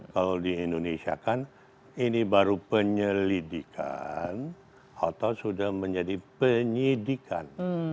kalau di indonesia kan ini baru penyelidikan atau sudah menjadi penyidikan